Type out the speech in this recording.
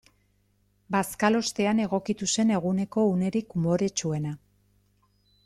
Bazkalostean egokitu zen eguneko unerik umoretsuena.